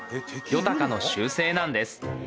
ヨタカの習性なんです